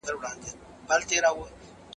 سپورت د ملي یووالي لپاره آسانه لار ده.